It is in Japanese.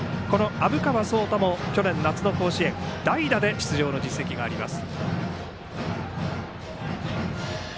虻川颯汰も去年夏の甲子園代打で出場の実績があります。